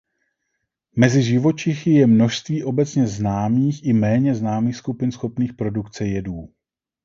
Mezi živočichy je množství obecně známých i méně známých skupin schopných produkce jedů.